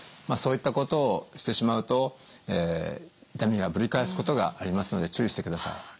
まあそういったことをしてしまうと痛みがぶり返すことがありますので注意してください。